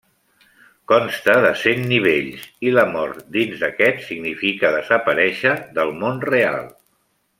Consta de cent nivells, i la mort dins d'aquest significa desaparèixer del món real.